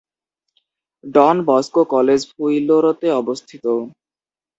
ডন Bosco College ফুইলোরোতে অবস্থিত।